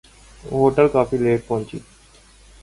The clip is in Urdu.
وہ ہوٹل کافی لیٹ پہنچی